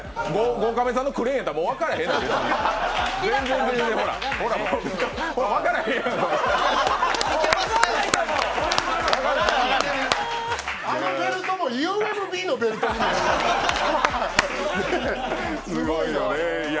５カメさんのクレーンやったらもう分からへんのよ。